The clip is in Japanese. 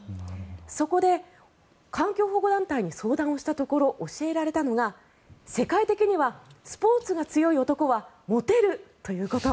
そこで環境保護団体に相談をしたところ教えられたのが、世界的にはスポーツが強い男はモテるということ。